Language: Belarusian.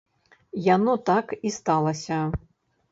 Яно так і сталася.